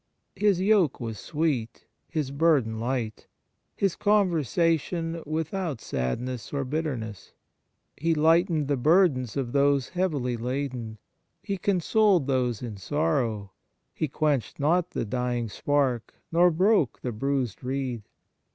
His yoke was sweet, His burden light, His conversation without sadness or bitterness. He lightened the burdens of those heavily I B Fraternal Charity laden; He consoled those in sorrow; He quenched not the dying spark nor broke the bruised reed.